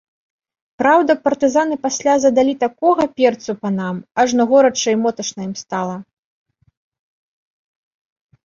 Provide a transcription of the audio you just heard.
Праўда, партызаны пасля задалі такога перцу панам, ажно горача і моташна ім стала.